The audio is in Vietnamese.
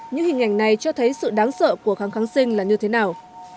những hình ảnh này cho thấy sự đáng sợ của kháng kháng sinh là như thế nào